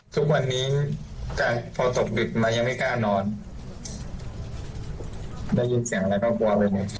ทุกวันนี้แต่พอตกดึกมายังไม่กล้านอนได้ยินเสียงอะไรก็กลัวแบบนี้